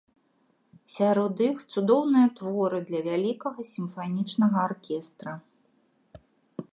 Сярод іх цудоўныя творы для вялікага сімфанічнага аркестра.